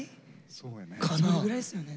それぐらいですよね